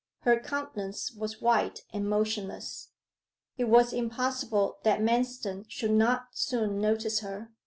Her countenance was white and motionless. It was impossible that Manston should not soon notice her.